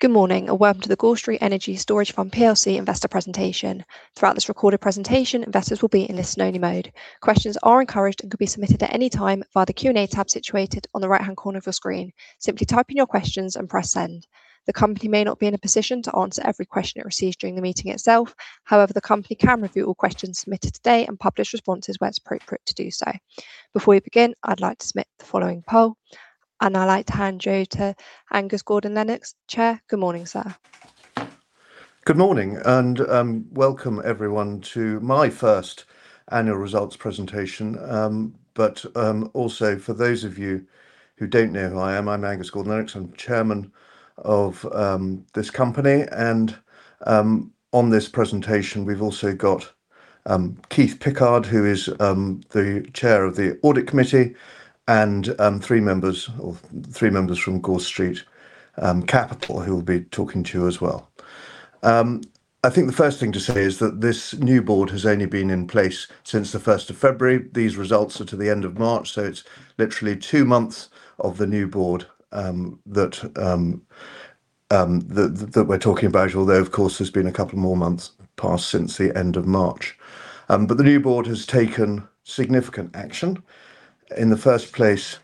Good morning and welcome to the Gore Street Energy Storage Fund plc Investor Presentation. Throughout this recorded presentation, investors will be in listen only mode. Questions are encouraged and can be submitted at any time via the Q&A tab situated on the right-hand corner of your screen. Simply type in your questions and press send. The company may not be in a position to answer every question it receives during the meeting itself. However, the company can review all questions submitted today and publish responses where it's appropriate to do so. Before we begin, I'd like to submit the following poll, and I'd like to hand you over to Angus Gordon Lennox. Chair, good morning, sir. Good morning, and welcome everyone to my first annual results presentation. Also for those of you who don't know who I am, I'm Angus Gordon Lennox, I'm chairman of this company. On this presentation, we've also got Keith Pickard, who is the Chair of the Audit Committee, and three members from Gore Street Capital who will be talking to you as well. I think the first thing to say is that this new Board has only been in place since the 1st of February. These results are to the end of March, so it's literally two months of the new Board that we're talking about. Although of course, there's been a couple more months passed since the end of March. The new Board has taken significant action. In the first place,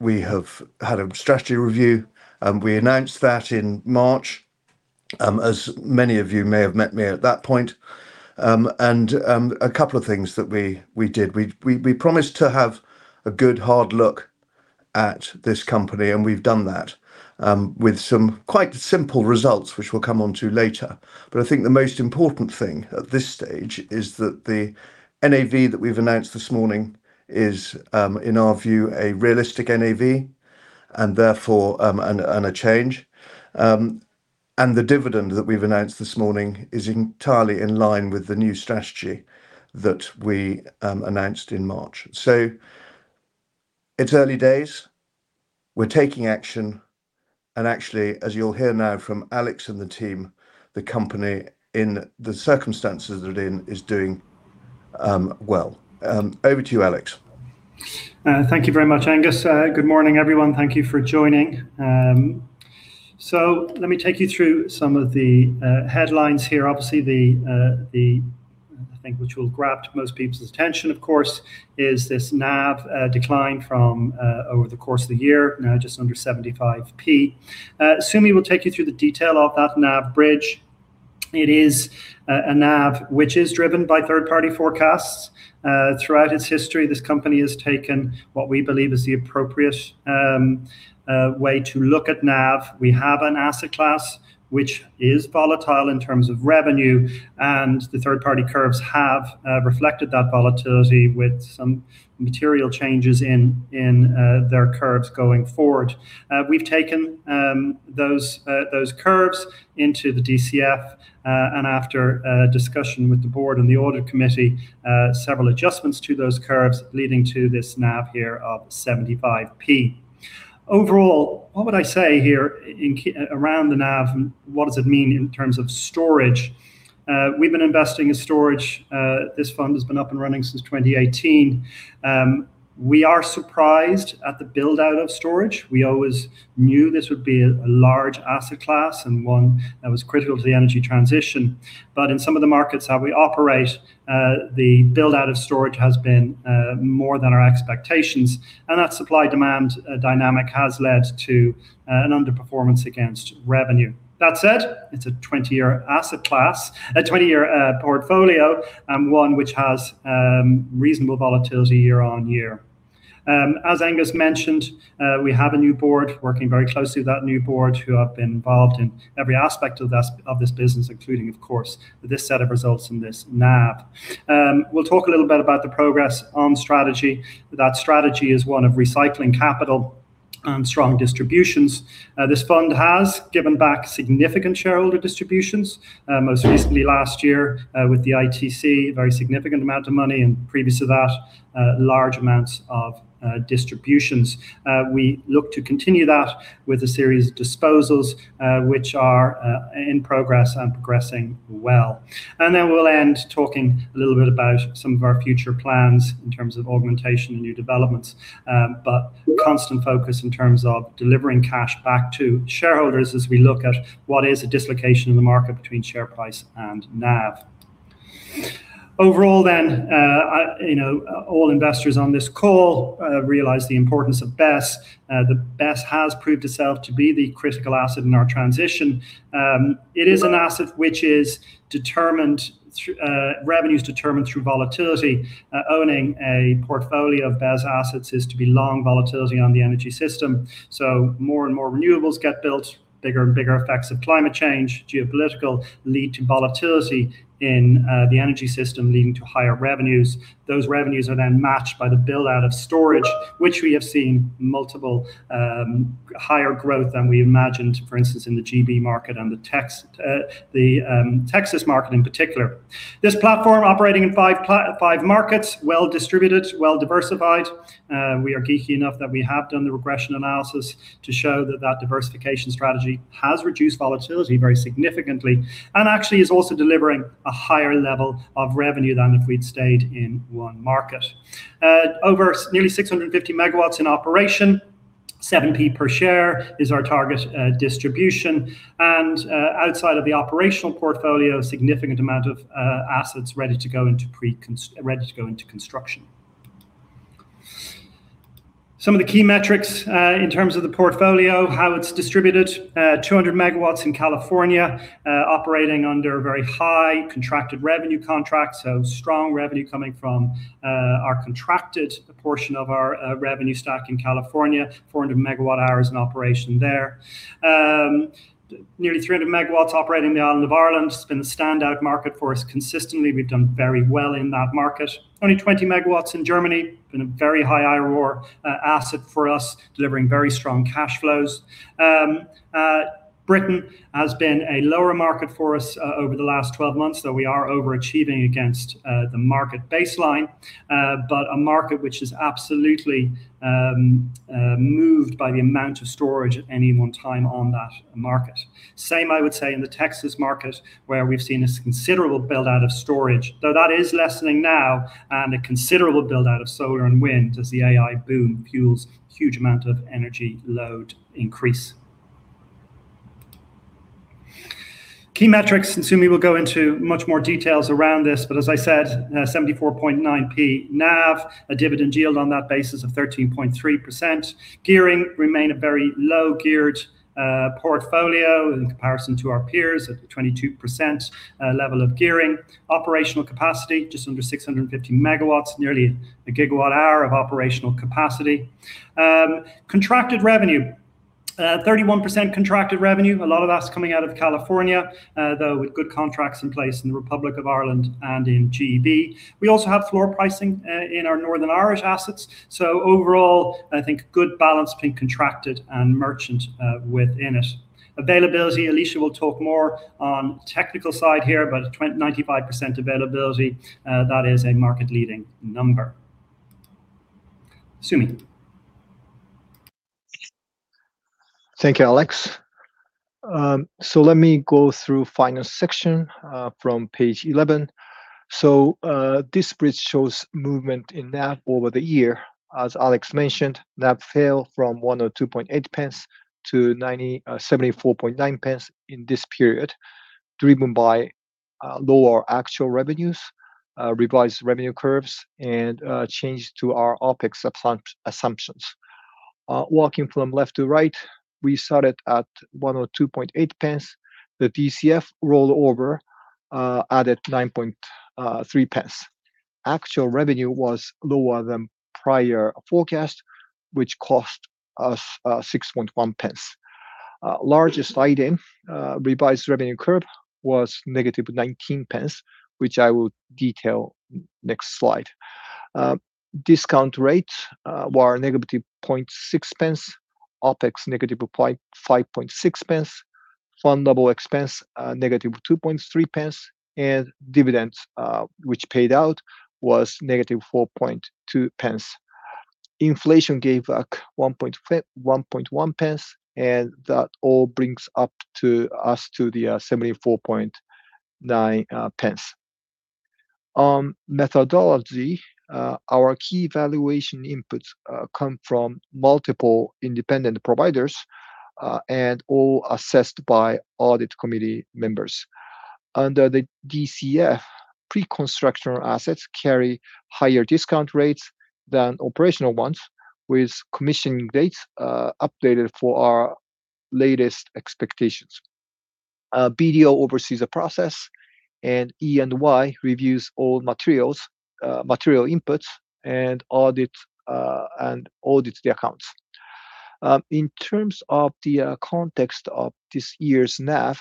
we have had a strategy review, and we announced that in March, as many of you may have met me at that point. A couple of things that we did. We promised to have a good hard look at this company, and we've done that, with some quite simple results, which we'll come onto later. I think the most important thing at this stage is that the NAV that we've announced this morning is, in our view, a realistic NAV and a change. The dividend that we've announced this morning is entirely in line with the new strategy that we announced in March. It's early days. We're taking action, and actually, as you'll hear now from Alex and the team, the company in the circumstances that it is doing well. Over to you, Alex. Thank you very much, Angus. Good morning, everyone. Thank you for joining. Let me take you through some of the headlines here. Obviously, the thing which will grab most people's attention, of course, is this NAV decline from over the course of the year, now just under 0.75. Sumi will take you through the detail of that NAV bridge. It is a NAV which is driven by third-party forecasts. Throughout its history, this company has taken what we believe is the appropriate way to look at NAV. We have an asset class which is volatile in terms of revenue, and the third-party curves have reflected that volatility with some material changes in their curves going forward. We've taken those curves into the DCF, and after a discussion with the Board and the audit committee, several adjustments to those curves leading to this NAV here of 0.75. Overall, what would I say here around the NAV and what does it mean in terms of storage? We've been investing in storage. This fund has been up and running since 2018. We are surprised at the build-out of storage. We always knew this would be a large asset class and one that was critical to the energy transition, but in some of the markets how we operate, the build-out of storage has been more than our expectations, and that supply-demand dynamic has led to an underperformance against revenue. That said, it's a 20-year asset class, a 20-year portfolio, and one which has reasonable volatility year-on-year. As Angus mentioned, we have a new Board, working very closely with that new Board who have been involved in every aspect of this business, including, of course, this set of results and this NAV. We'll talk a little bit about the progress on strategy. That strategy is one of recycling capital and strong distributions. This fund has given back significant shareholder distributions, most recently last year with the ITC, a very significant amount of money, and previous to that, large amounts of distributions. We look to continue that with a series of disposals, which are in progress and progressing well. We'll end talking a little bit about some of our future plans in terms of augmentation and new developments, but constant focus in terms of delivering cash back to shareholders as we look at what is a dislocation in the market between share price and NAV. All investors on this call realize the importance of BESS. The BESS has proved itself to be the critical asset in our transition. It is an asset which revenues determined through volatility. Owning a portfolio of BESS assets is to be long volatility on the energy system. More and more renewables get built, bigger and bigger effects of climate change, geopolitical lead to volatility in the energy system leading to higher revenues. Those revenues are then matched by the build-out of storage, which we have seen multiple higher growth than we imagined, for instance, in the G.B. Market and the Texas market in particular. This platform operating in five markets, well distributed, well diversified. We are geeky enough that we have done the regression analysis to show that that diversification strategy has reduced volatility very significantly and actually is also delivering a higher level of revenue than if we'd stayed in one market. Over nearly 650 MW in operation 0.07 per share is our target distribution. Outside of the operational portfolio, a significant amount of assets ready to go into construction. Some of the key metrics in terms of the portfolio, how it's distributed, 200 MW in California, operating under a very high contracted revenue contract, so strong revenue coming from our contracted portion of our revenue stack in California, 400 MWh in operation there. Nearly 300 MW operate in the island of Ireland. It's been the standout market for us consistently. We've done very well in that market. Only 20 MW in Germany, been a very high IRR asset for us, delivering very strong cash flows. Britain has been a lower market for us over the last 12 months, though we are overachieving against the market baseline. A market which is absolutely moved by the amount of storage at any one time on that market. Same, I would say, in the Texas market, where we've seen a considerable build-out of storage, though that is lessening now, and a considerable build-out of solar and wind as the AI boom fuels huge amount of energy load increase. Key metrics, Sumi will go into much more details around this, but as I said, 0.749 NAV, a dividend yield on that basis of 13.3%. Gearing, remain a very low-geared portfolio in comparison to our peers at the 22% level of gearing. Operational capacity, just under 650 MW, nearly a Gigawatt-hour of operational capacity. Contracted revenue, 31% contracted revenue, a lot of that's coming out of California, though with good contracts in place in the Republic of Ireland and in G.B. We also have floor pricing in our Northern Irish assets. Overall, I think good balance between contracted and merchant within it. Availability, Alicja will talk more on technical side here, 95% availability. That is a market-leading number. Sumi? Thank you, Alex. Let me go through final section from page 11. This bridge shows movement in NAV over the year. As Alex mentioned, NAV fell from 1.028-0.749 in this period, driven by lower actual revenues, revised revenue curves, and changes to our OpEx assumptions. Walking from left to right, we started at 1.028. The DCF rollover added 0.093. Actual revenue was lower than prior forecast, which cost us 0.061. Largest item, revised revenue curve, was -0.19, which I will detail next slide. Discount rates were -0.006, OpEx, -0.056, fund level expense -0.023. Dividends, which paid out, was -0.042. Inflation gave back 0.011, and that all brings us to the 0.749. Methodology, our key valuation inputs come from multiple independent providers, and all assessed by audit committee members. Under the DCF, pre-construction assets carry higher discount rates than operational ones, with commissioning dates updated for our latest expectations. BDO oversees the process, and EY reviews all material inputs and audits the accounts. In terms of the context of this year's NAV,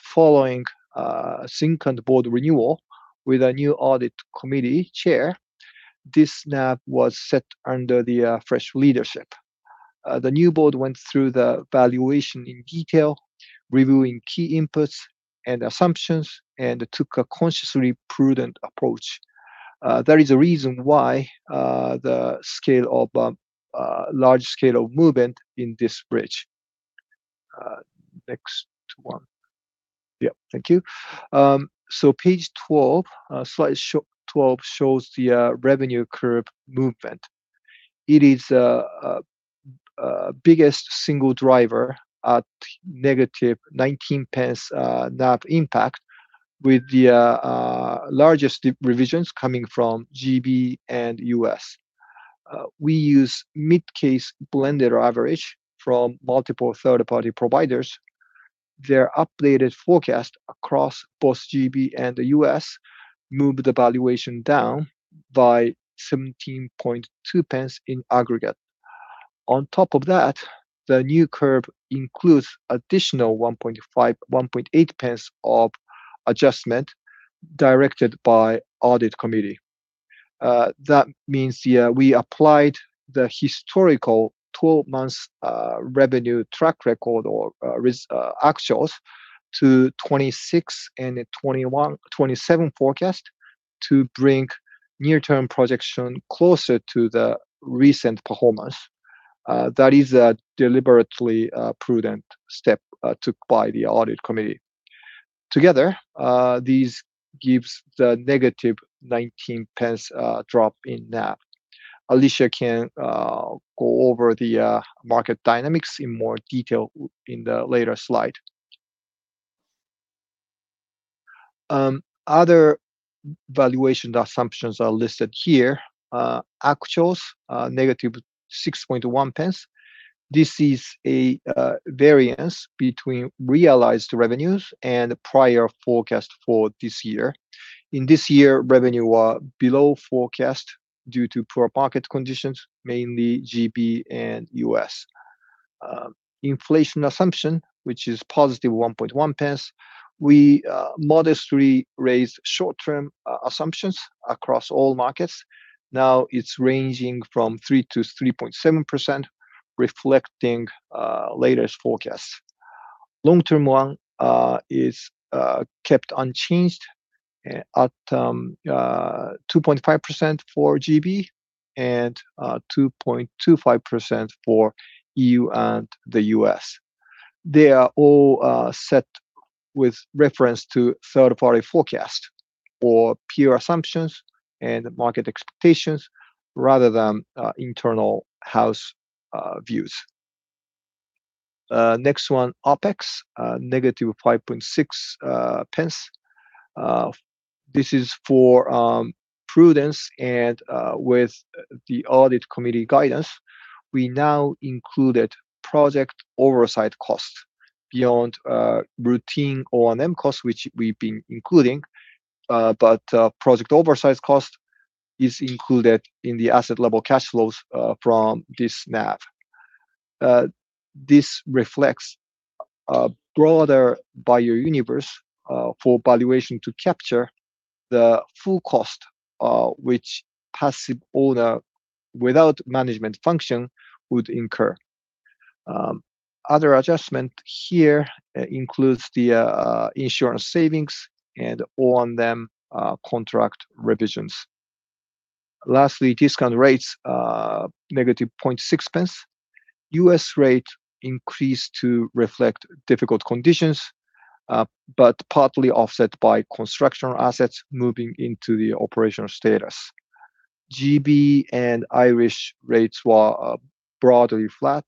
following a second Board renewal with a new Audit Committee Chair, this NAV was set under the fresh leadership. The new Board went through the valuation in detail, reviewing key inputs and assumptions, and took a consciously prudent approach. There is a reason why the large scale of movement in this bridge. Next one. Yeah, thank you. Page 12, slide 12 shows the revenue curve movement. It is biggest single driver at -0.19 NAV impact, with the largest revisions coming from G.B. and U.S. We use mid-case blended average from multiple third-party providers. Their updated forecast across both G.B. and the U.S. moved the valuation down by 0.172 in aggregate. On top of that, the new curve includes additional 0.018 of adjustment directed by audit committee. That means we applied the historical 12 months revenue track record or actuals to 2026 and 2027 forecast to bring near-term projection closer to the recent performance. That is a deliberately prudent step took by the audit committee. Together, these gives the -0.19 drop in NAV. Alicja can go over the market dynamics in more detail in the later slide. Other valuation assumptions are listed here. Actuals, -0.061. This is a variance between realized revenues and prior forecast for this year. In this year, revenue are below forecast due to poor market conditions, mainly G.B. and U.S. Inflation assumption, which is +0.011. We modestly raised short-term assumptions across all markets. Now it is ranging from 3%-3.7%, reflecting latest forecasts. Long-term one is kept unchanged at 2.5% for G.B. and 2.25% for E.U. and the U.S. They are all set with reference to third-party forecast or peer assumptions and market expectations rather than internal house views. Next one, OpEx, -0.056. This is for prudence and with the Audit Committee guidance, we now included project oversight costs beyond routine O&M costs, which we have been including, but project oversight cost is included in the asset level cash flows from this NAV. This reflects a broader buyer universe for valuation to capture the full cost, which passive owner without management function would incur. Other adjustment here includes the insurance savings and O&M contract revisions. Lastly, discount rates, -0.006. U.S. rate increased to reflect difficult conditions, but partly offset by construction assets moving into the operational status. G.B. and Irish rates were broadly flat,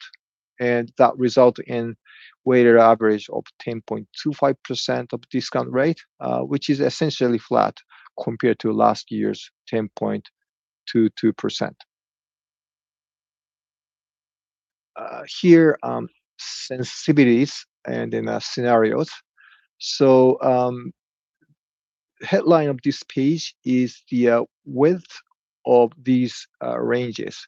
and that result in weighted average of 10.25% of discount rate, which is essentially flat compared to last year's 10.22%. Here, sensitivities and then scenarios. Headline of this page is the width of these ranges.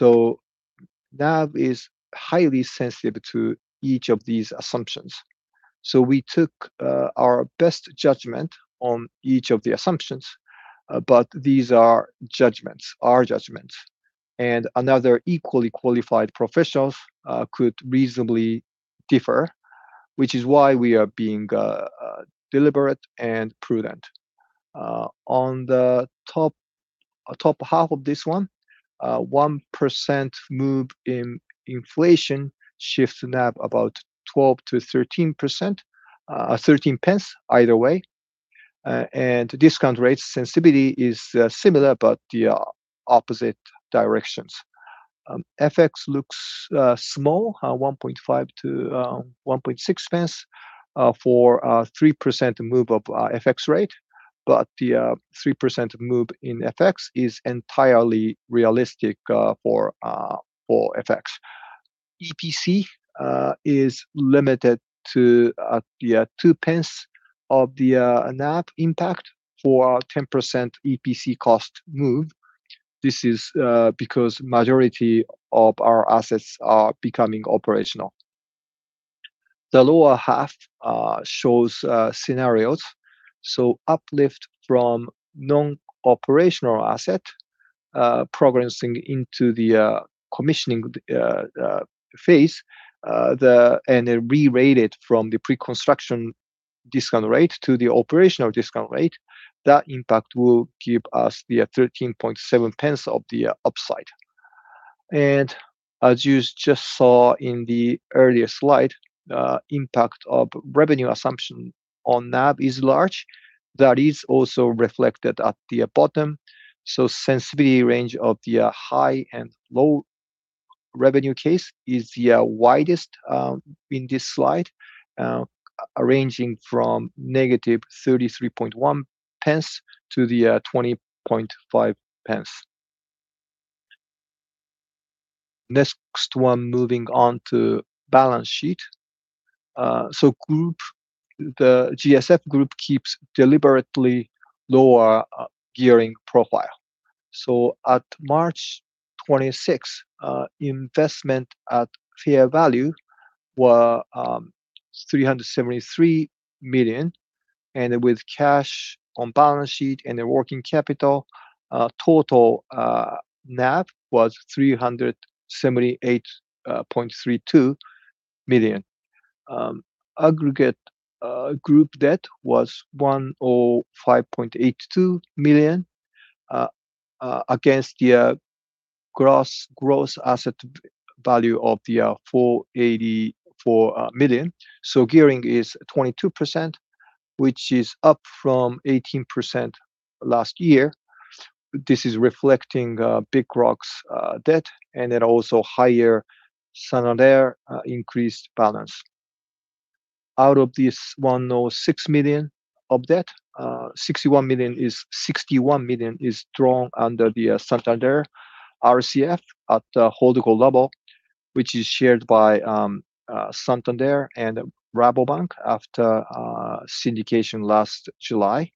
NAV is highly sensitive to each of these assumptions. We took our best judgment on each of the assumptions, but these are judgments, our judgments. Another equally qualified professionals could reasonably differ, which is why we are being deliberate and prudent. On the top half of this one, 1% move in inflation shifts NAV about 0.13 either way. Discount rate sensitivity is similar, but the opposite directions. FX looks small, 0.015-0.016 for 3% move of FX rate, but the 3% move in FX is entirely realistic for FX. EPC is limited to 0.02 of the NAV impact for 10% EPC cost move. This is because majority of our assets are becoming operational. The lower half shows scenarios, so uplift from non-operational asset progressing into the commissioning phase and then re-rated from the pre-construction discount rate to the operational discount rate. That impact will give us the 0.137 of the upside. As you just saw in the earlier slide, impact of revenue assumption on NAV is large. That is also reflected at the bottom. Sensitivity range of the high and low revenue case is the widest in this slide, arranging from GBP -0.331 to GBP -0.205. Next one, moving on to balance sheet. The GSF group keeps deliberately lower gearing profile. At March 26, investments at fair value were 373 million, and with cash on balance sheet and the working capital, total NAV was 378.32 million. Aggregate group debt was 105.82 million against the Gross Asset Value of the year, 484 million. Gearing is 22%, which is up from 18% last year. This is reflecting Big Rock's debt and also higher Santander increased balance. Out of this 106 million of debt, 61 million is drawn under the Santander RCF at the HoldCo level, which is shared by Santander and Rabobank after syndication last July.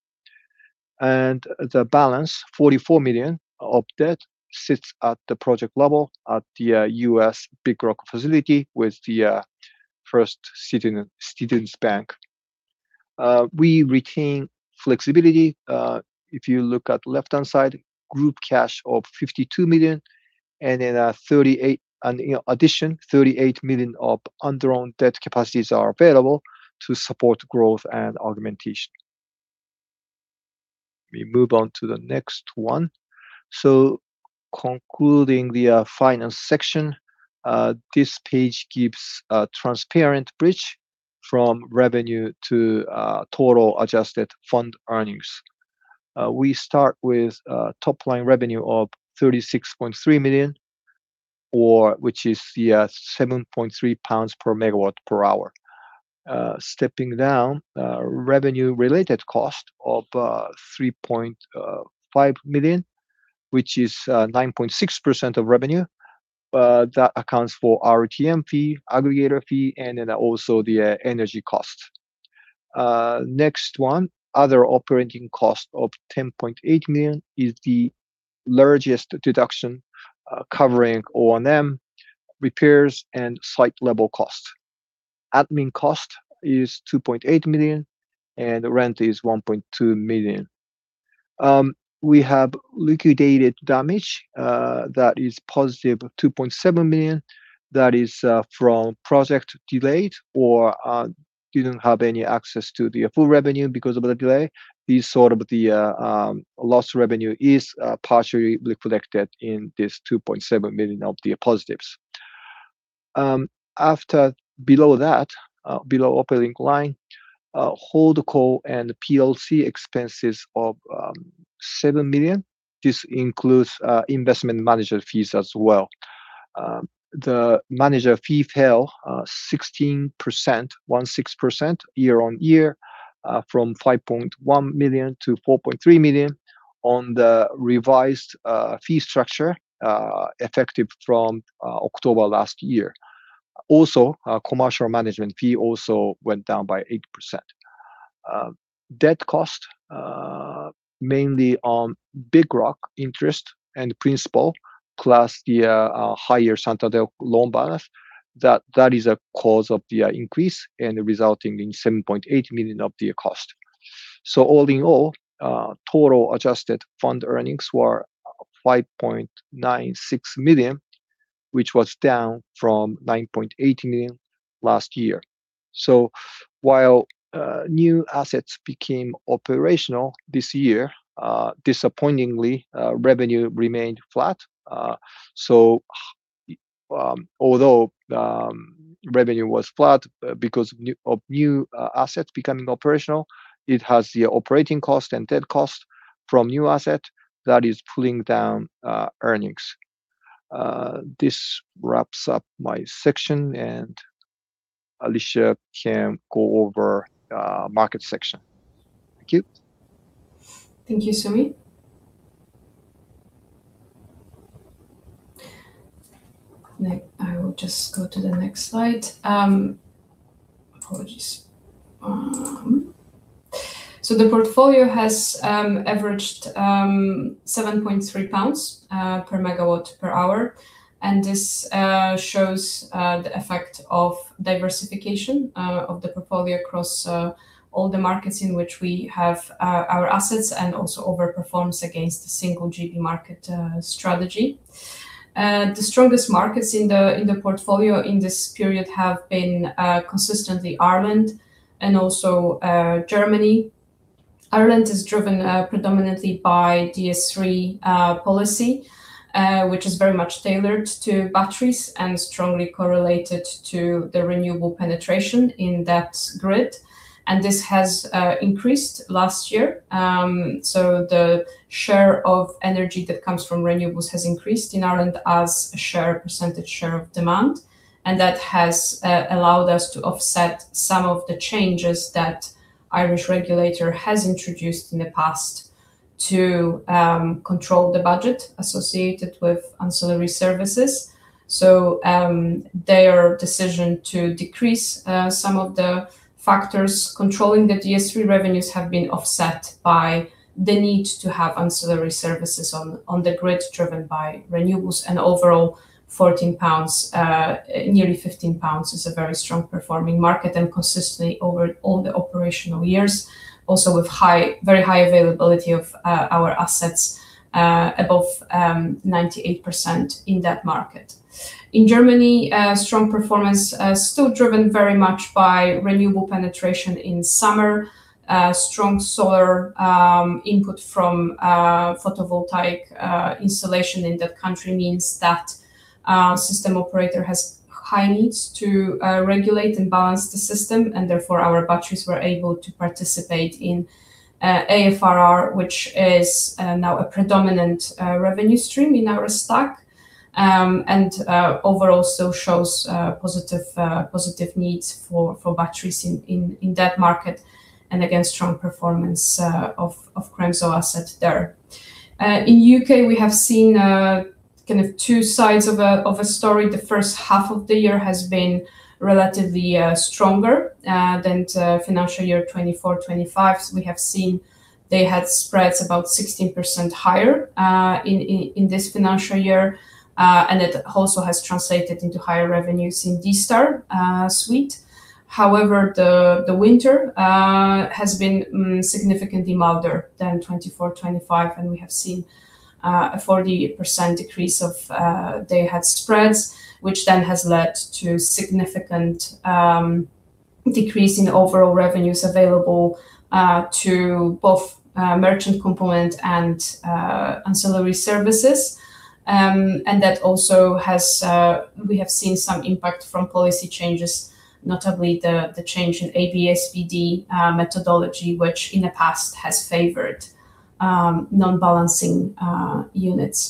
The balance, 44 million of debt, sits at the project level at the U.S. Big Rock facility with the First Citizens Bank. We retain flexibility. If you look at left-hand side, group cash of 52 million, and in addition, 38 million of undrawn debt capacities are available to support growth and augmentation. We move on to the next one. Concluding the finance section, this page gives a transparent bridge from revenue to total adjusted fund earnings. We start with top-line revenue of 36.3 million, which is the 7.3 pounds/MWh. Stepping down, revenue-related cost of 3.5 million, which is 9.6% of revenue. That accounts for RTM fee, aggregator fee, and also the energy cost. Next one, other operating cost of 10.8 million is the largest deduction, covering O&M, repairs, and site-level cost. Admin cost is 2.8 million, and rent is 1.2 million. We have liquidated damage that is +2.7 million. That is from project delayed or did not have any access to the full revenue because of the delay. The lost revenue is partially reflected in this 2.7 million of the positives. After below that, below operating line, HoldCo and plc expenses of 7 million. This includes investment manager fees as well. The manager fee fell 16%, year-on-year, from 5.1 million-4.3 million on the revised fee structure effective from October last year. Commercial management fee also went down by 8%. Debt cost, mainly on Big Rock interest and principal, plus the higher Santander loan balance. That is a cause of the increase and resulting in 7.8 million of the cost. All in all, total adjusted fund earnings were 5.96 million, which was down from 9.8 million last year. While new assets became operational this year, disappointingly, revenue remained flat. Although revenue was flat because of new assets becoming operational, it has the operating cost and debt cost from new asset that is pulling down earnings. This wraps up my section, and Alicja can go over market section. Thank you. Thank you, Sumi. I will just go to the next slide. Apologies. The portfolio has averaged 7.3 pounds/MWh, and this shows the effect of diversification of the portfolio across all the markets in which we have our assets, and also overperforms against a single G.B. market strategy. The strongest markets in the portfolio in this period have been consistently Ireland and also Germany. Ireland is driven predominantly by DS3 policy, which is very much tailored to batteries and strongly correlated to the renewable penetration in that grid, and this has increased last year. The share of energy that comes from renewables has increased in Ireland as a percentage share of demand, and that has allowed us to offset some of the changes that Irish regulator has introduced in the past to control the budget associated with ancillary services. Their decision to decrease some of the factors controlling the DS3 revenues have been offset by the need to have ancillary services on the grid driven by renewables and overall 14 pounds, nearly 15 pounds, is a very strong performing market and consistently over all the operational years, also with very high availability of our assets, above 98% in that market. In Germany, strong performance, still driven very much by renewable penetration in summer. Strong solar input from photovoltaic installation in that country means that system operator has high needs to regulate and balance the system, and therefore our batteries were able to participate in aFRR, which is now a predominant revenue stream in our stack. Overall, still shows positive needs for batteries in that market, and again, strong performance of Cremzow asset there. In U.K., we have seen two sides of a story. The first half of the year has been relatively stronger than financial year 2024/2025. We have seen day-ahead spreads about 16% higher in this financial year. It also has translated into higher revenues in [DSTAR suite]. However, the winter has been significantly milder than 2024/2025, and we have seen a 48% decrease of day-ahead spreads, which then has led to significant decrease in overall revenues available to both merchant component and ancillary services. We have seen some impact from policy changes, notably the change in ABSVD methodology, which in the past has favored non-balancing units.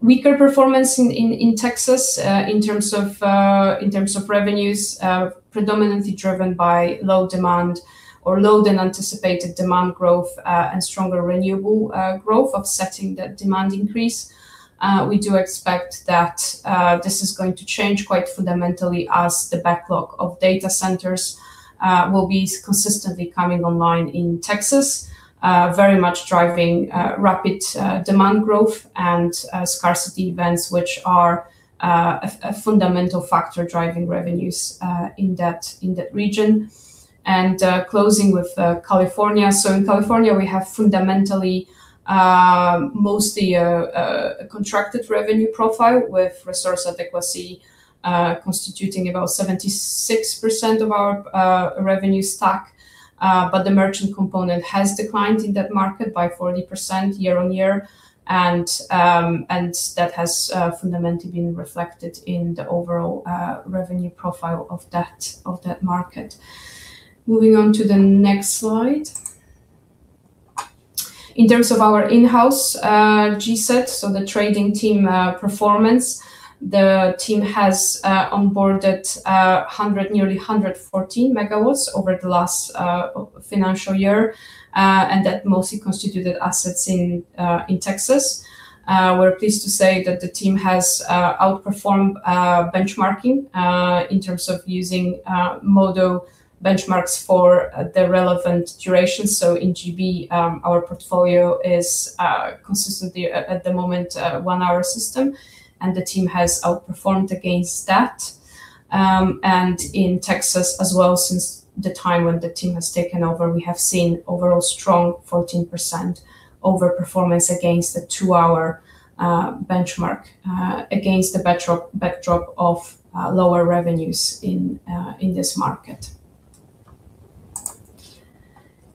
Weaker performance in Texas in terms of revenues predominantly driven by low demand or lower than anticipated demand growth and stronger renewable growth offsetting that demand increase. We do expect that this is going to change quite fundamentally as the backlog of data centers will be consistently coming online in Texas, very much driving rapid demand growth and scarcity events, which are a fundamental factor driving revenues in that region. Closing with California. In California, we have fundamentally mostly a contracted revenue profile with Resource Adequacy constituting about 76% of our revenue stack. The merchant component has declined in that market by 40% year-on-year. That has fundamentally been reflected in the overall revenue profile of that market. Moving on to the next slide. In terms of our in-house GSET, the trading team performance, the team has onboarded nearly 114 MW over the last financial year, and that mostly constituted assets in Texas. We're pleased to say that the team has outperformed benchmarking in terms of using Modo Energy benchmarks for the relevant duration. In G.B., our portfolio is consistently, at the moment, a one-hour system, and the team has outperformed against that. In Texas as well, since the time when the team has taken over. We have seen overall strong 14% over-performance against the two-hour benchmark, against the backdrop of lower revenues in this market.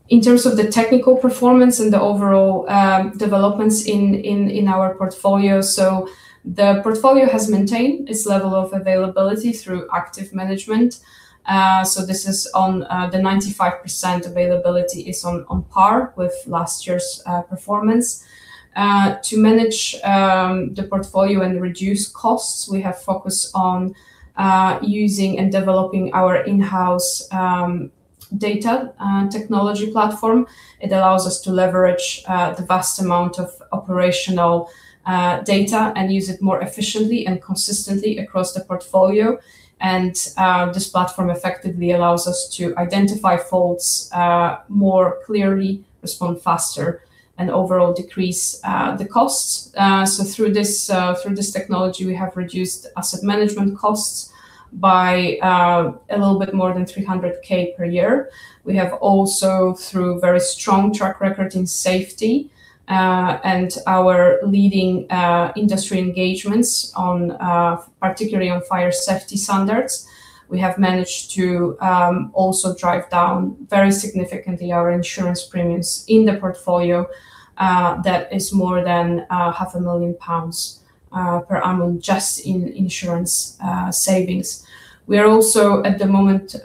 In terms of the technical performance and the overall developments in our portfolio. The portfolio has maintained its level of availability through active management. The 95% availability is on par with last year's performance. To manage the portfolio and reduce costs, we have focused on using and developing our in-house data technology platform. It allows us to leverage the vast amount of operational data and use it more efficiently and consistently across the portfolio. This platform effectively allows us to identify faults more clearly, respond faster, and overall decrease the costs. Through this technology, we have reduced asset management costs by a little bit more than 300,000 per year. We have also, through very strong track record in safety, and our leading industry engagements, particularly on fire safety standards, we have managed to also drive down very significantly our insurance premiums in the portfolio. That is more than 500,000 pounds per annum just in insurance savings. We are also, at the moment,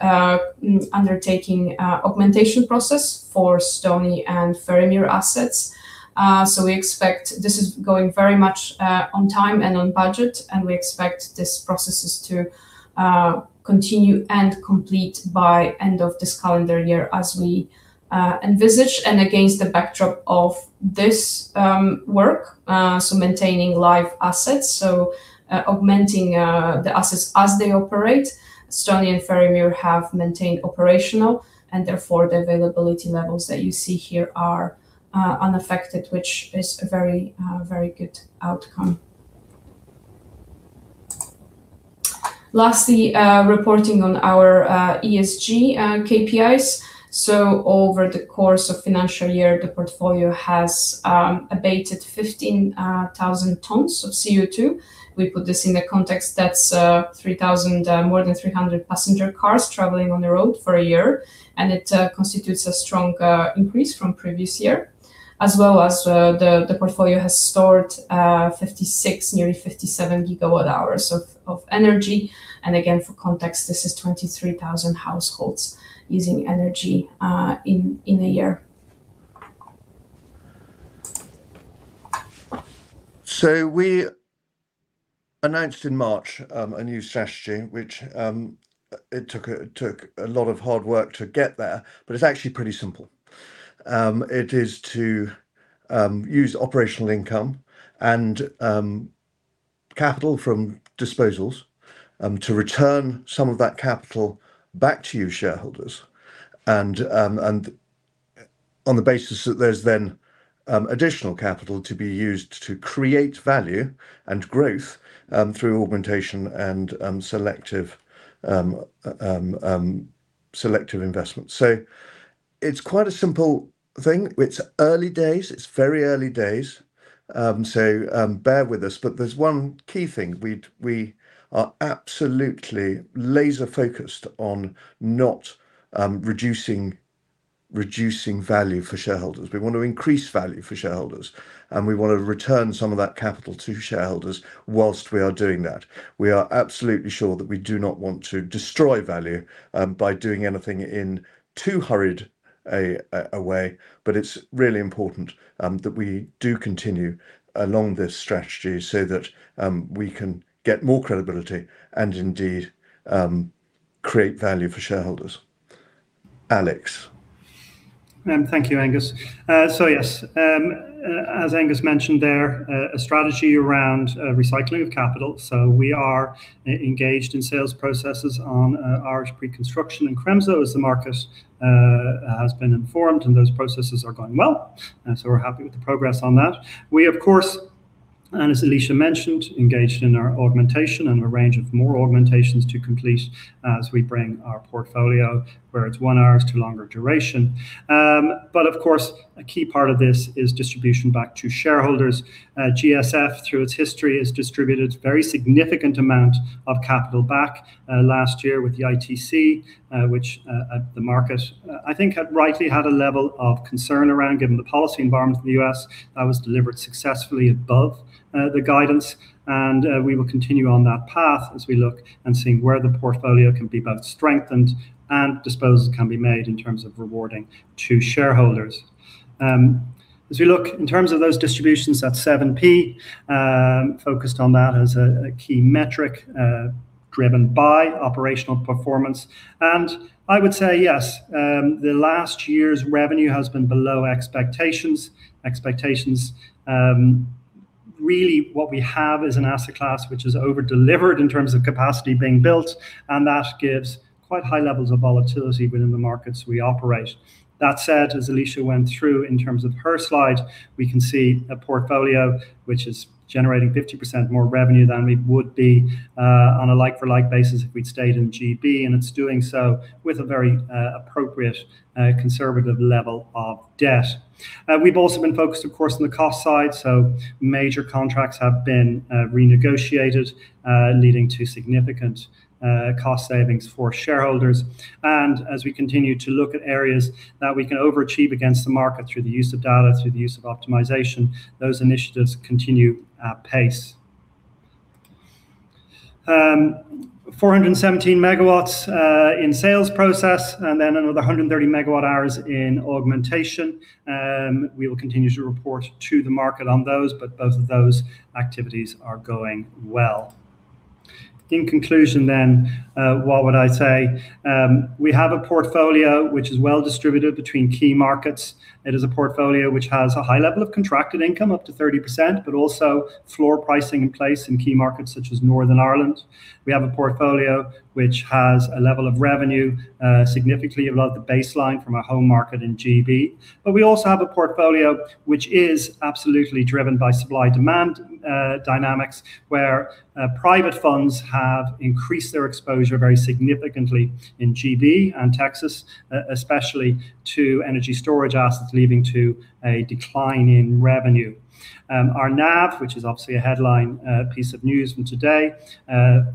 undertaking augmentation process for Stony and Ferrymuir assets. This is going very much on time and on budget, and we expect these processes to continue and complete by end of this calendar year as we envisage. Against the backdrop of this work, so maintaining live assets, so augmenting the assets as they operate, Stony and Ferrymuir have maintained operational, and therefore the availability levels that you see here are unaffected, which is a very good outcome. Lastly, reporting on our ESG KPIs. Over the course of financial year, the portfolio has abated 15,000 tons of CO2. We put this in the context, that is more than 300 passenger cars traveling on the road for a year, and it constitutes a strong increase from previous year. As well as the portfolio has stored 56, nearly 57 GWh of energy. Again, for context, this is 23,000 households using energy in a year. We announced in March a new strategy, which took a lot of hard work to get there, but it is actually pretty simple. It is to use operational income and capital from disposals to return some of that capital back to you shareholders, on the basis that there is then additional capital to be used to create value and growth through augmentation and selective investment. It is quite a simple thing. It is early days. It is very early days, so bear with us. There is one key thing. We are absolutely laser-focused on not reducing value for shareholders. We want to increase value for shareholders, and we want to return some of that capital to shareholders while we are doing that. We are absolutely sure that we do not want to destroy value by doing anything in too hurried a way. It is really important that we do continue along this strategy so that we can get more credibility and indeed, create value for shareholders. Alex? Thank you, Angus. Yes, as Angus mentioned there, a strategy around recycling of capital. We are engaged in sales processes on Irish pre-construction and Cremzow, as the market has been informed, and those processes are going well. We are happy with the progress on that. We, of course, and as Alicja mentioned, engaged in our augmentation and a range of more augmentations to complete as we bring our portfolio where its one hour is to longer duration. Of course, a key part of this is distribution back to shareholders. GSF, through its history, has distributed very significant amount of capital back last year with the ITC, which the market, I think, had rightly had a level of concern around, given the policy environment in the U.S. That was delivered successfully above the guidance, we will continue on that path as we look and seeing where the portfolio can be both strengthened and disposals can be made in terms of rewarding to shareholders. As we look in terms of those distributions at 0.07, focused on that as a key metric, driven by operational performance. I would say, yes, the last year's revenue has been below expectations. Really what we have is an asset class which has over-delivered in terms of capacity being built, and that gives quite high levels of volatility within the markets we operate. That said, as Alicja went through in terms of her slide, we can see a portfolio which is generating 50% more revenue than we would be on a like-for-like basis if we had stayed in GB, and it is doing so with a very appropriate conservative level of debt. We have also been focused, of course, on the cost side, major contracts have been renegotiated, leading to significant cost savings for shareholders. As we continue to look at areas that we can overachieve against the market through the use of data, through the use of optimization, those initiatives continue at pace. 417 MW in sales process and then another 130 MWh in augmentation. We will continue to report to the market on those, both of those activities are going well. In conclusion, what would I say? We have a portfolio which is well-distributed between key markets. It is a portfolio which has a high level of contracted income, up to 30%, also floor pricing in place in key markets such as Northern Ireland. We have a portfolio which has a level of revenue significantly above the baseline from our home market in G.B. We also have a portfolio which is absolutely driven by supply-demand dynamics, where private funds have increased their exposure very significantly in G.B. and Texas, especially to energy storage assets, leading to a decline in revenue. Our NAV, which is obviously a headline piece of news from today,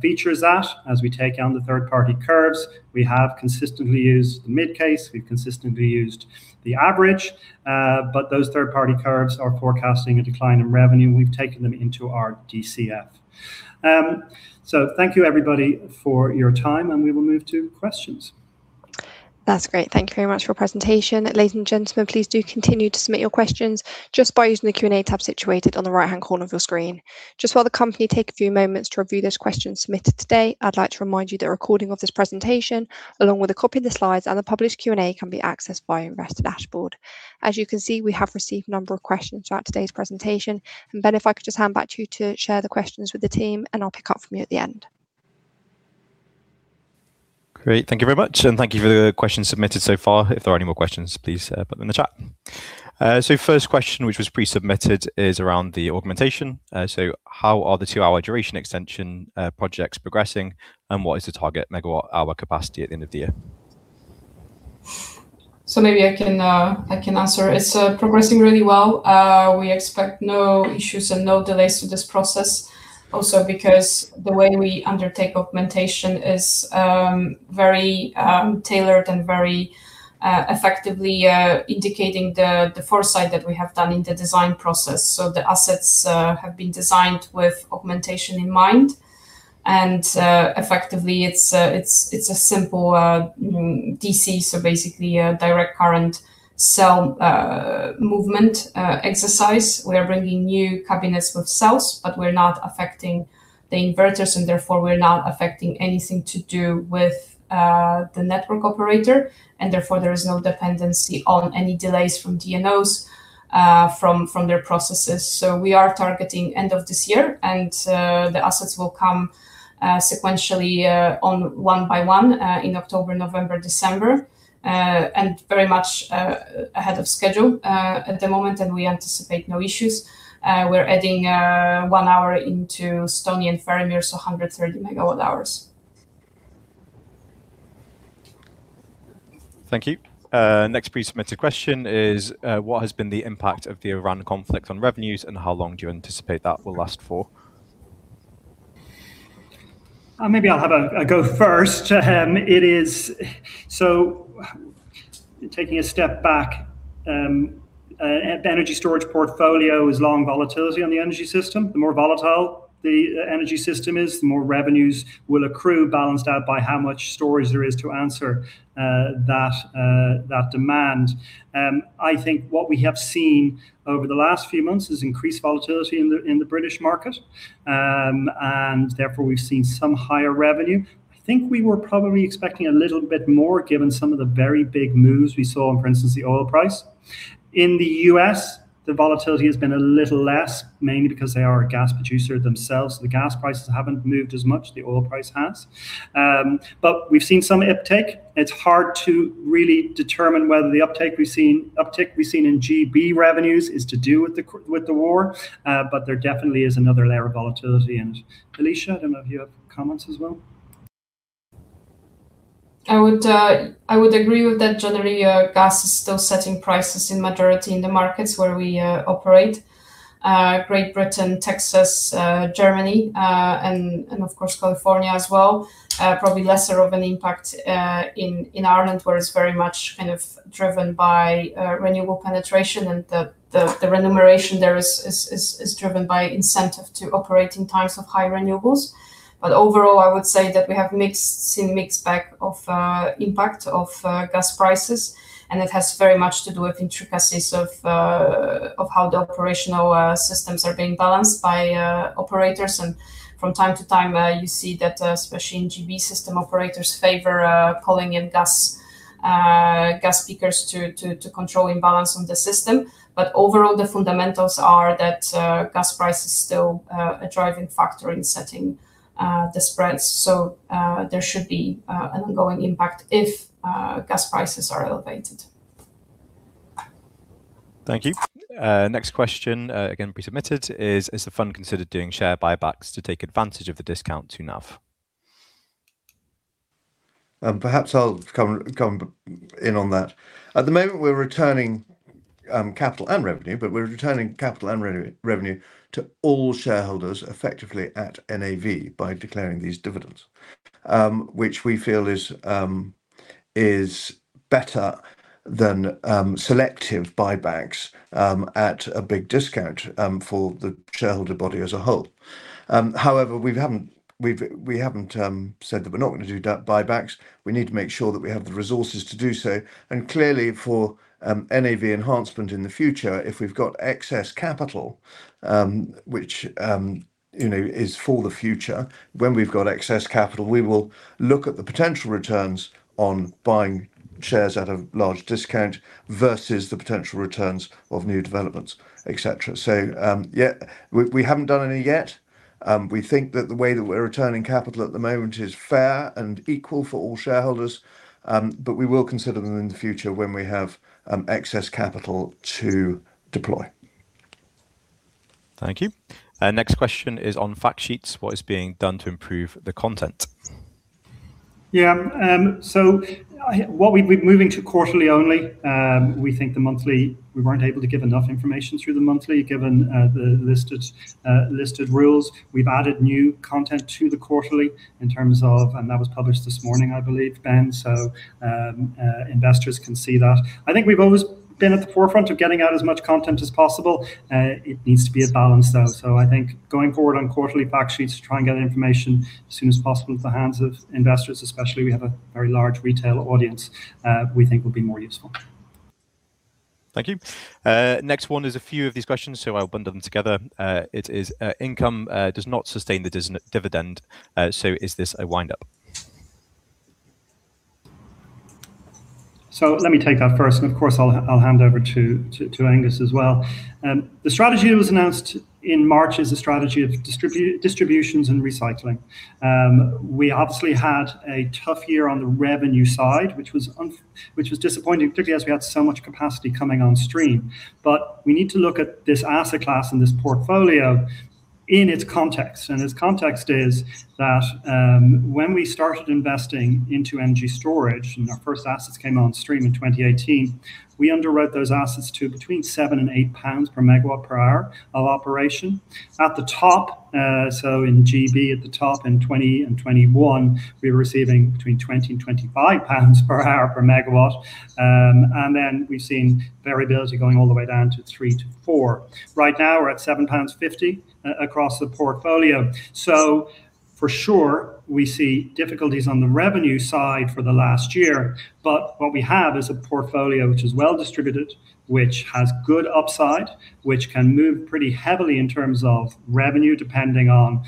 features that as we take down the third-party curves. We have consistently used the mid case, we have consistently used the average, those third-party curves are forecasting a decline in revenue. We have taken them into our DCF. Thank you everybody for your time, and we will move to questions. That's great. Thank you very much for your presentation. Ladies and gentlemen, please do continue to submit your questions just by using the Q&A tab situated on the right-hand corner of your screen. Just while the company take a few moments to review those questions submitted today, I'd like to remind you that a recording of this presentation, along with a copy of the slides and the published Q&A, can be accessed via Investor Meet Company. As you can see, we have received a number of questions throughout today's presentation. Ben, if I could just hand back to you to share the questions with the team, and I'll pick up from you at the end. Great. Thank you very much, and thank you for the questions submitted so far. If there are any more questions, please put them in the chat. First question, which was pre-submitted, is around the augmentation. How are the two-hour duration extension projects progressing, and what is the target megawatt hour capacity at the end of the year? Maybe I can answer. It's progressing really well. We expect no issues and no delays to this process. Also because the way we undertake augmentation is very tailored and very effectively indicating the foresight that we have done in the design process. The assets have been designed with augmentation in mind. Effectively, it's a simple DC, so basically a direct current cell movement exercise. We are bringing new cabinets with cells, but we're not affecting the inverters, and therefore, we're not affecting anything to do with the network operator. Therefore, there is no dependency on any delays from DNOs from their processes. We are targeting end of this year, and the assets will come sequentially on one by one in October, November, December. Very much ahead of schedule at the moment, and we anticipate no issues. We're adding one hour into Stony and Ferrymuir, so 130 MWh. Thank you. Next pre-submitted question is, what has been the impact of the Iran conflict on revenues, and how long do you anticipate that will last for? Maybe I'll have a go first. Taking a step back, the energy storage portfolio is long volatility on the energy system. The more volatile the energy system is, the more revenues will accrue, balanced out by how much storage there is to answer that demand. I think what we have seen over the last few months is increased volatility in the British market, and therefore we've seen some higher revenue. I think we were probably expecting a little bit more, given some of the very big moves we saw in, for instance, the oil price. In the U.S., the volatility has been a little less, mainly because they are a gas producer themselves. The gas prices haven't moved as much, the oil price has. We've seen some uptick. It's hard to really determine whether the uptick we've seen in G.B. revenues is to do with the war, there definitely is another layer of volatility. Alicja, I don't know if you have comments as well. I would agree with that. Generally, gas is still setting prices in majority in the markets where we operate. Great Britain, Texas, Germany, and of course, California as well. Probably lesser of an impact in Ireland, where it's very much driven by renewable penetration, and the remuneration there is driven by incentive to operate in times of high renewables. Overall, I would say that we have seen mixed bag of impact of gas prices, and it has very much to do with intricacies of how the operational systems are being balanced by operators. From time to time, you see that especially in G.B. system, operators favor calling in gas peakers to control imbalance on the system. Overall, the fundamentals are that gas price is still a driving factor in setting the spreads. There should be an ongoing impact if gas prices are elevated. Thank you. Next question, again pre-submitted, is has the fund considered doing share buybacks to take advantage of the discount to NAV? Perhaps I'll come in on that. At the moment, we're returning capital and revenue, but we're returning capital and revenue to all shareholders effectively at NAV by declaring these dividends, which we feel is better than selective buybacks at a big discount for the shareholder body as a whole. However, we haven't said that we're not going to do buybacks. We need to make sure that we have the resources to do so. Clearly for NAV enhancement in the future, if we've got excess capital, which is for the future, when we've got excess capital, we will look at the potential returns on buying shares at a large discount versus the potential returns of new developments, et cetera. Yeah, we haven't done any yet. We think that the way that we're returning capital at the moment is fair and equal for all shareholders, but we will consider them in the future when we have excess capital to deploy. Thank you. Next question is on fact sheets. What is being done to improve the content? We're moving to quarterly only. We think the monthly, we weren't able to give enough information through the monthly, given the listed rules. We've added new content to the quarterly, and that was published this morning, I believe, Ben. Investors can see that. I think we've always been at the forefront of getting out as much content as possible. It needs to be as balanced, though. I think going forward on quarterly fact sheets to try and get information as soon as possible at the hands of investors especially, we have a very large retail audience, we think will be more useful. Thank you. Next one is a few of these questions, I'll bundle them together. It is, income does not sustain the dividend, is this a wind up? Let me take that first, of course, I'll hand over to Angus as well. The strategy that was announced in March is a strategy of distributions and recycling. We obviously had a tough year on the revenue side, which was disappointing, particularly as we had so much capacity coming on stream. We need to look at this asset class and this portfolio in its context. Its context is that when we started investing into energy storage, and our first assets came on stream in 2018, we underwrote those assets to between 7 and 8 pounds per MWh of operation. At the top, in G.B. at the top in 2020 and 2021, we were receiving between 20 and 25 pounds per MWh. Then we've seen variability going all the way down to 3-4. Right now, we're at 7.50 pounds across the portfolio. For sure, we see difficulties on the revenue side for the last year. What we have is a portfolio which is well distributed, which has good upside, which can move pretty heavily in terms of revenue, depending on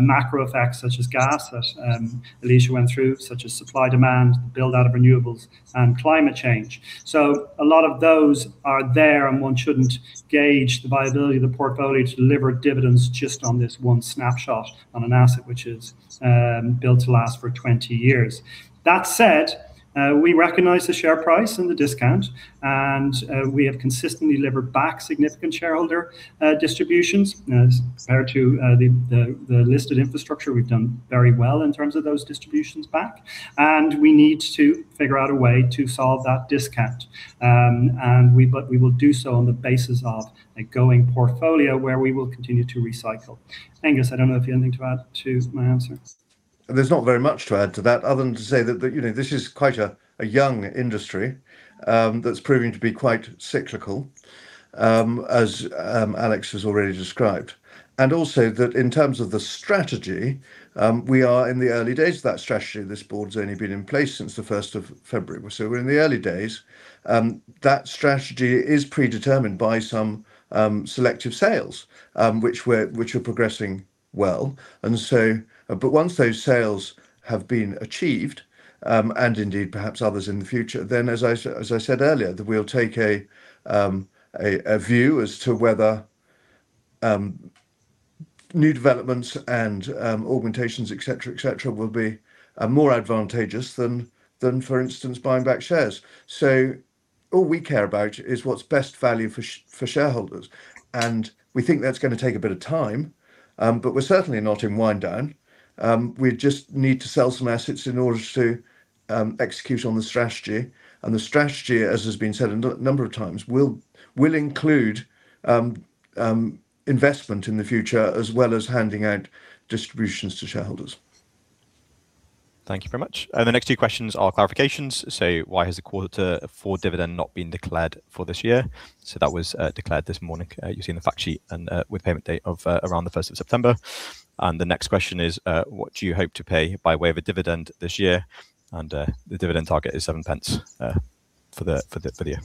macro effects such as gas, that Alicja went through, such as supply demand, the build-out of renewables, and climate change. A lot of those are there, one shouldn't gauge the viability of the portfolio to deliver dividends just on this one snapshot on an asset which is built to last for 20 years. That said, we recognize the share price and the discount, we have consistently delivered back significant shareholder distributions. As compared to the listed infrastructure, we've done very well in terms of those distributions back. We need to figure out a way to solve that discount. We will do so on the basis of a going portfolio where we will continue to recycle. Angus, I don't know if you have anything to add to my answers. There's not very much to add to that, other than to say that this is quite a young industry that's proving to be quite cyclical, as Alex has already described. Also that in terms of the strategy, we are in the early days of that strategy. This Board's only been in place since the 1st of February, so we're in the early days. That strategy is predetermined by some selective sales, which are progressing well. Once those sales have been achieved, and indeed perhaps others in the future, then, as I said earlier, we'll take a view as to whether new developments and augmentations, et cetera, will be more advantageous than, for instance, buying back shares. All we care about is what's best value for shareholders. We think that's going to take a bit of time, but we're certainly not in wind down. We just need to sell some assets in order to execute on the strategy. The strategy, as has been said a number of times, will include investment in the future, as well as handing out distributions to shareholders. Thank you very much. The next two questions are clarifications. Why has the quarter four dividend not been declared for this year? That was declared this morning. You've seen the fact sheet and with payment date of around the 1st of September. The next question is, what do you hope to pay by way of a dividend this year? The dividend target is 0.07 for the year.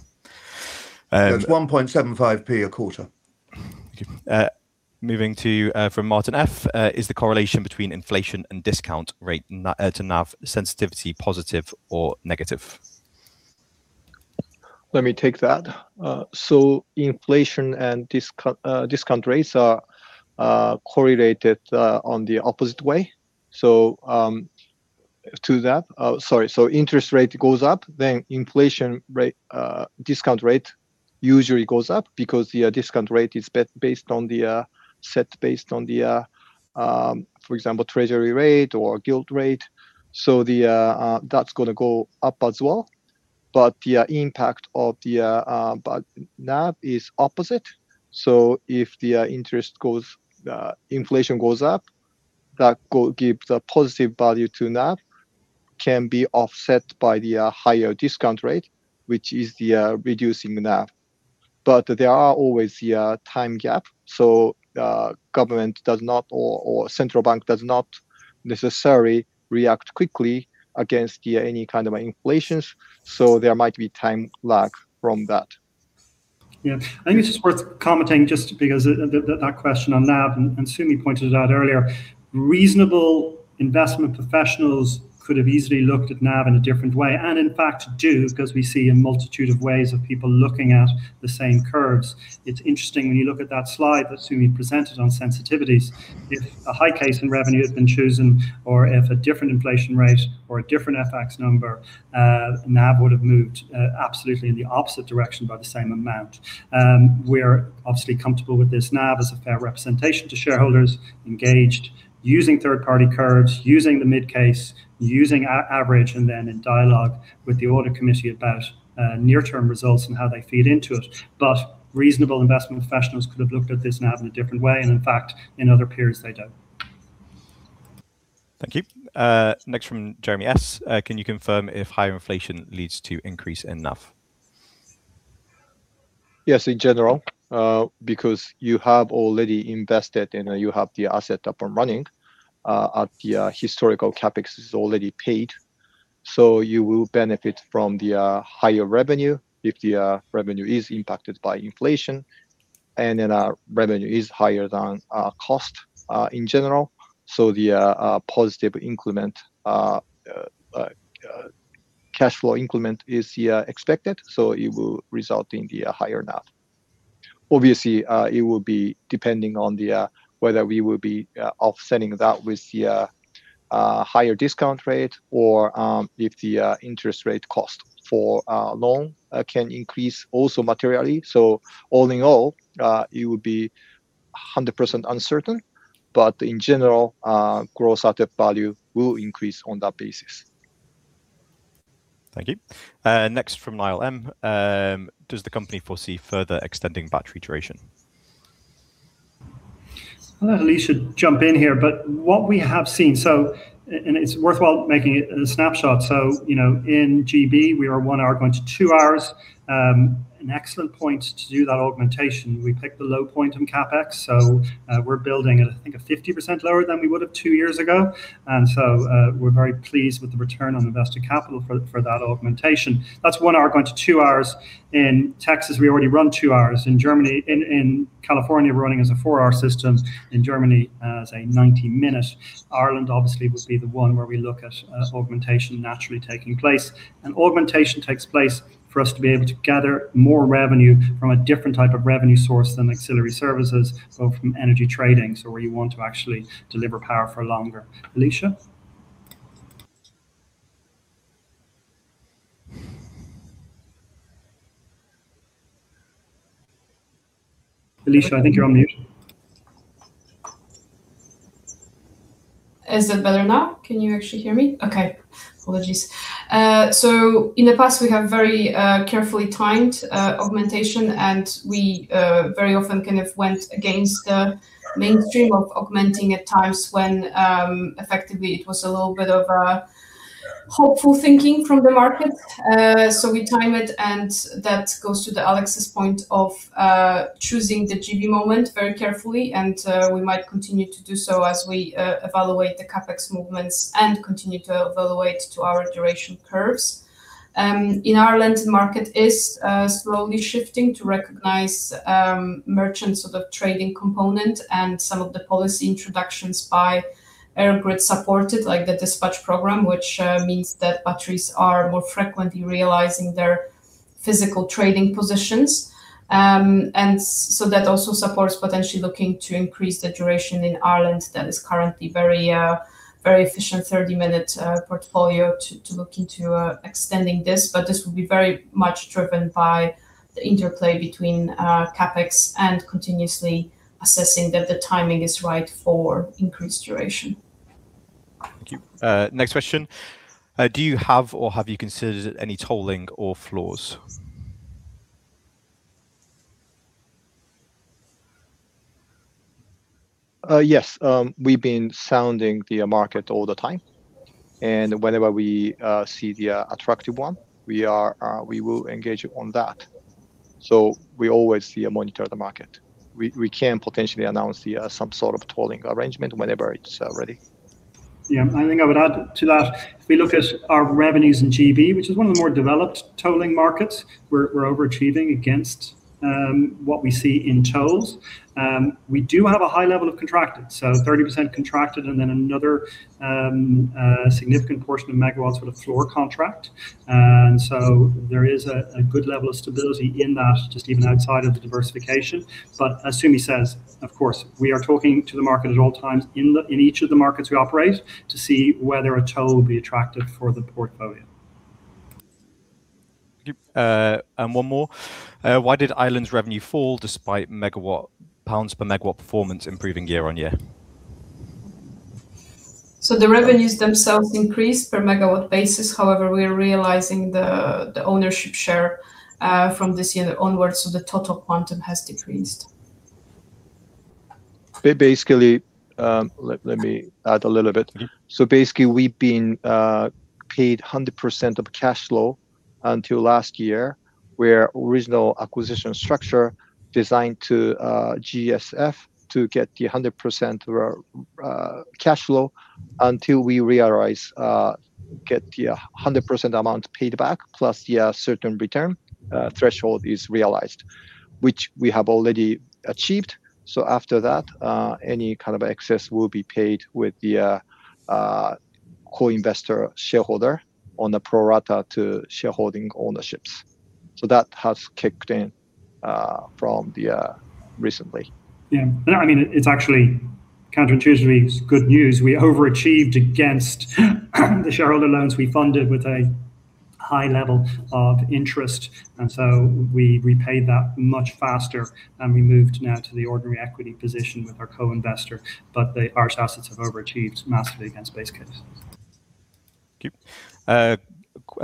It's 0.0175 a quarter. Thank you. Moving from [Martin F.], is the correlation between inflation and discount rate to NAV sensitivity positive or negative? Let me take that. Inflation and discount rates are correlated on the opposite way. To that, sorry, interest rate goes up, then inflation discount rate usually goes up, because the discount rate is set based on the, for example, Treasury rate or gilt rate. That's going to go up as well. But the impact of the NAV is opposite. If the inflation goes up, that gives a positive value to NAV, can be offset by the higher discount rate, which is the reducing NAV. But there are always time gap. Government does not, or central bank does not necessarily react quickly against any kind of inflation. There might be time lag from that. I think it's just worth commenting just because that question on NAV, and Sumi pointed it out earlier, reasonable investment professionals could have easily looked at NAV in a different way. In fact do, because we see a multitude of ways of people looking at the same curves. It's interesting when you look at that slide that Sumi presented on sensitivities. If a high case in revenue had been chosen, or if a different inflation rate or a different FX number, NAV would have moved absolutely in the opposite direction by the same amount. We're obviously comfortable with this NAV as a fair representation to shareholders, engaged, using third party curves, using the mid case, using our average, and then in dialogue with the audit committee about near term results and how they feed into it. Reasonable investment professionals could have looked at this NAV in a different way, and in fact, in other periods, they do. Thank you. Next from [Jeremy S.], can you confirm if higher inflation leads to increase in NAV? Yes, in general, because you have already invested and you have the asset up and running, at the historical CapEx is already paid. You will benefit from the higher revenue if the revenue is impacted by inflation. Our revenue is higher than our cost, in general. The positive cash flow increment is expected, so it will result in the higher NAV. Obviously, it will be 100% uncertain, but in general, gross asset value will increase on that basis. Thank you. Next from [Lyle M.], does the company foresee further extending battery duration? I'll let Alicja jump in here. What we have seen, and it's worthwhile making it a snapshot. In the U.K., we are one hour going to two hours. An excellent point to do that augmentation. We picked the low point in CapEx, so we're building it, I think, at 50% lower than we would have two years ago. We're very pleased with the return on invested capital for that augmentation. That's one hour going to two hours. In Texas, we already run two hours. In California, we're running as a four-hour system. In Germany, as a 90 minute. Ireland, obviously, will be the one where we look at augmentation naturally taking place. Augmentation takes place for us to be able to gather more revenue from a different type of revenue source than auxiliary services, so from energy trading, so where you want to actually deliver power for longer. Alicja? Alicja, I think you're on mute. Is that better now? Can you actually hear me? Okay. Apologies. In the past, we have very carefully timed augmentation, and we very often kind of went against the mainstream of augmenting at times when effectively it was a little bit of a hopeful thinking from the market. We time it, and that goes to Alex's point of choosing the U.K. moment very carefully, and we might continue to do so as we evaluate the CapEx movements and continue to evaluate to our duration curves. In Ireland, market is slowly shifting to recognize merchants of the trading component and some of the policy introductions by EirGrid supported, like the dispatch program, which means that batteries are more frequently realizing their physical trading positions. That also supports potentially looking to increase the duration in Ireland that is currently very efficient 30-minute portfolio to look into extending this. This will be very much driven by the interplay between CapEx and continuously assessing that the timing is right for increased duration. Thank you. Next question. Do you have or have you considered any tolling or floors? Yes. We've been sounding the market all the time, and whenever we see the attractive one, we will engage on that. We always monitor the market. We can potentially announce some sort of tolling arrangement whenever it's ready. Yeah. I think I would add to that, if we look at our revenues in G.B., which is one of the more developed tolling markets, we're overachieving against what we see in tolls. We do have a high level of contracted, so 30% contracted and then another significant portion of megawatts with a floor contract. There is a good level of stability in that, just even outside of the diversification. As Sumi says, of course, we are talking to the market at all times in each of the markets we operate to see whether a toll will be attractive for the portfolio. Thank you. One more. Why did Ireland's revenue fall despite megawatt, pounds per megawatt performance improving year-on-year? The revenues themselves increased per megawatt basis. However, we are realizing the ownership share from this year onwards, so the total quantum has decreased. Let me add a little bit. Basically, we've been paid 100% of cash flow until last year, where original acquisition structure designed to GSF to get the 100% cash flow until we get the 100% amount paid back, plus the certain return threshold is realized, which we have already achieved. After that, any kind of excess will be paid with the co-investor shareholder on the pro rata to shareholding ownerships. That has kicked in recently. It's actually counterintuitively good news. We overachieved against the shareholder loans we funded with a high level of interest, so we paid that much faster, we moved now to the ordinary equity position with our co-investor, the Irish assets have overachieved massively against base case. Thank you. A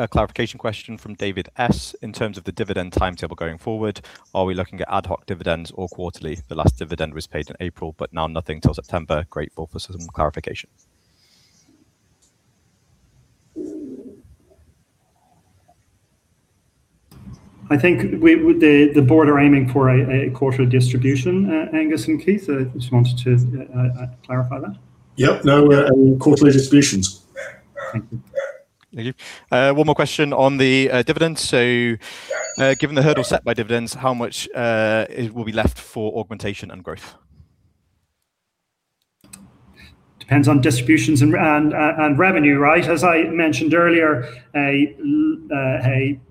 clarification question from [David S.] In terms of the dividend timetable going forward, are we looking at ad hoc dividends or quarterly? The last dividend was paid in April, now nothing till September. Grateful for some clarification. I think the Board are aiming for a quarterly distribution, Angus and Keith. I just wanted to clarify that. Yep. No, quarterly distributions. Thank you. One more question on the dividends. Given the hurdle set by dividends, how much will be left for augmentation and growth? Depends on distributions and revenue, right? As I mentioned earlier, a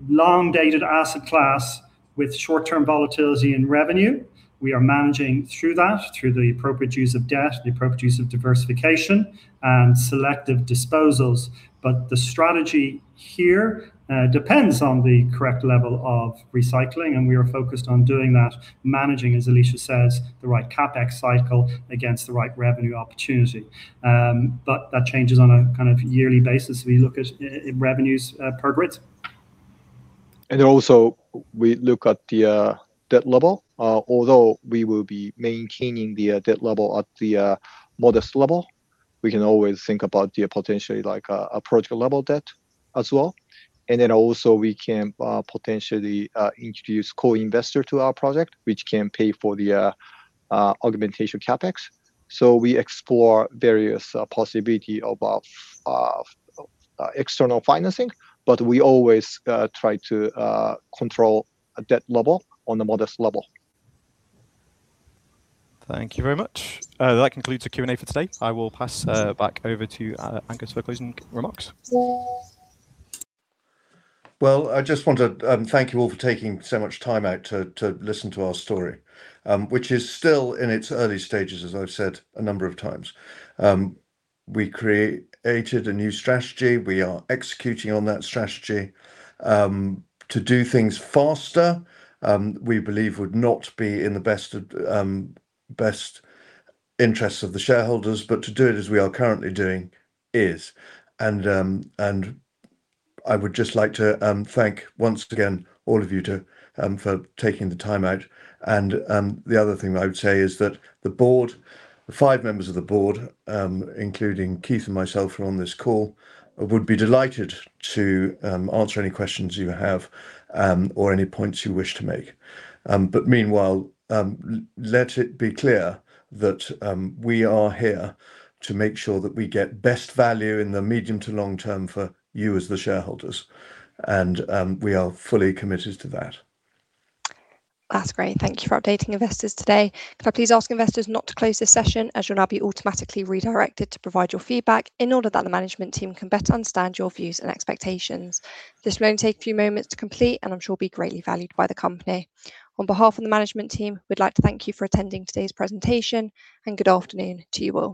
long-dated asset class with short-term volatility in revenue. We are managing through that, through the appropriate use of debt, the appropriate use of diversification, and selective disposals. The strategy here depends on the correct level of recycling, and we are focused on doing that, managing, as Alicja says, the right CapEx cycle against the right revenue opportunity. That changes on a yearly basis. We look at revenues per grid Also we look at the debt level. Although we will be maintaining the debt level at the modest level, we can always think about the potentially approach level debt as well. Also we can potentially introduce co-investor to our project, which can pay for the augmentation CapEx. We explore various possibility of external financing, but we always try to control a debt level on the modest level. Thank you very much. That concludes the Q&A for today. I will pass back over to Angus for closing remarks. Well, I just want to thank you all for taking so much time out to listen to our story, which is still in its early stages, as I've said a number of times. We created a new strategy. We are executing on that strategy. To do things faster, we believe would not be in the best interests of the shareholders, but to do it as we are currently doing is. I would just like to thank, once again, all of you for taking the time out. The other thing that I would say is that the Board, the five members of the Board, including Keith and myself who are on this call, would be delighted to answer any questions you have or any points you wish to make. Meanwhile, let it be clear that we are here to make sure that we get best value in the medium to long term for you as the shareholders, and we are fully committed to that. That's great. Thank you for updating investors today. Could I please ask investors not to close this session, as you'll now be automatically redirected to provide your feedback in order that the management team can better understand your views and expectations. This will only take a few moments to complete, and I'm sure will be greatly valued by the company. On behalf of the management team, we'd like to thank you for attending today's presentation, and good afternoon to you all.